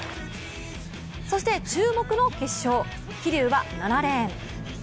そして注目の決勝、桐生は７レーン。